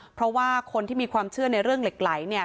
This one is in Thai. เพราะว่าคนที่มีความเชื่อในเรื่องเหล็กไหลเนี่ย